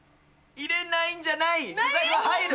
入れないんじゃない、具材は入る。